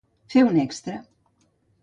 Fer un extra.